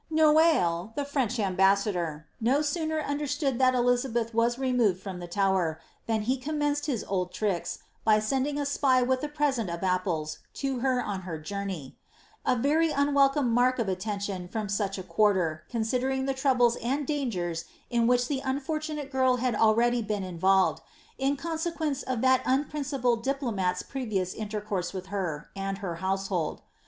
Noailles, the French ambassador, no sooner understoo^l that Eliza beth was removed from the Tower, than he commenced his old tricks, by sending a spy with a present of apples to her on her journey ; a very unwelcome mark of attention from such a quarter, considering the tronbles and dangers in which the unfortunate girl had already been in volved* in conse^juence of that unprincipled diplomat's previous inter course with her, and her household.